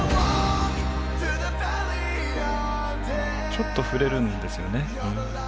ちょっと振れるんですよね。